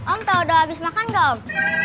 om tau udah abis makan ga om